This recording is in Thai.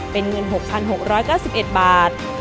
เป็นเงิน๖๖๙๑บาท